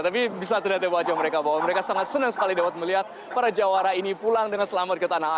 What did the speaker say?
tapi bisa terlihat di wajah mereka bahwa mereka sangat senang sekali dapat melihat para jawara ini pulang dengan selamat ke tanah air